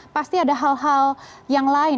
pasti ada hal hal yang lain